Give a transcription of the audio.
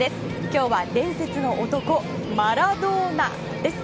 今日は伝説の男マラドーナです。